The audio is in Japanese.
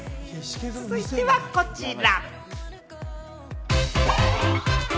続いてはこちら。